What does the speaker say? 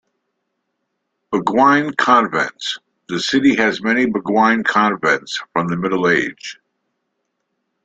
Beguine convents : the city has many beguine convents from the Middle-Age.